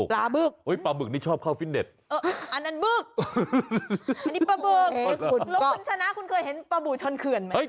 แล้วคุณชนะคุณเคยเห็นปะบุชนเขือนไหม